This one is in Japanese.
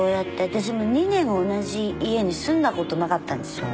私も２年同じ家に住んだことなかったんですよ。